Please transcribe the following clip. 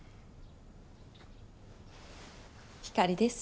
ひかりです。